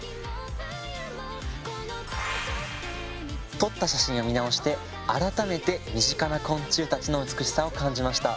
撮った写真を見直して改めて身近な昆虫たちの美しさを感じました。